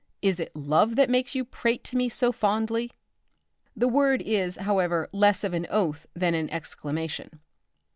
Is it love that makes you prate to me so fondly?" The word is, however, less of an oath than an exclamation.